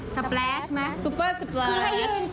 ซัปแปรชมั้ย